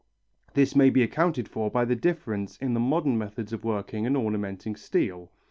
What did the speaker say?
This may be accounted for by the difference in the modern methods of working and ornamenting steel.